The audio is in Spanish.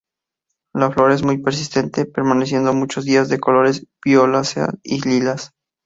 La flor es muy persistente, permaneciendo muchos días de colores violáceas y lilas.